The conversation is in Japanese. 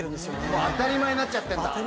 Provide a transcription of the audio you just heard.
当たり前になっちゃってんだ？